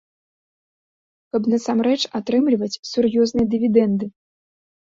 Каб насамрэч атрымліваць сур'ёзныя дывідэнды.